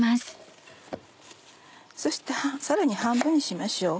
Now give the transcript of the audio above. そしてさらに半分にしましょう。